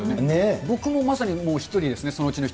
僕もまさに、もう一人ですね、そのうちの一人。